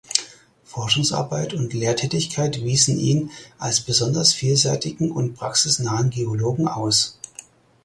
Forschungsarbeit und Lehrtätigkeit wiesen ihn als besonders vielseitigen und praxisnahen Geologen aus.